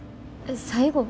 最後？